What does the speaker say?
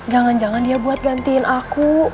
jangan jangan dia buat gantiin aku